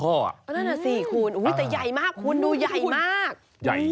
นั่นแหละสิคุณแต่ใหญ่มากคุณดูใหญ่มาก